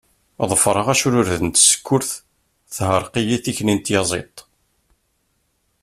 Ḍefreɣ acrured n tsekkurt, teɛreq-iyi tikli n tyaẓiḍt.